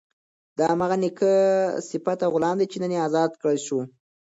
دا هماغه نېک صفته غلام دی چې نن ازاد کړای شو.